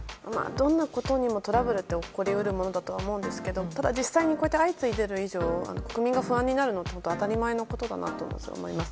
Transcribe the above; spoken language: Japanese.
どんなことにもトラブルって起こり得るものだと思うんですけどただ、実際に相次いでいる以上国民が不安になるのは当たり前のことだなと思います。